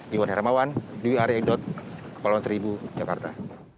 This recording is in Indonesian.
diwan hermawan dewi aryaidot kepala wawancaribu jakarta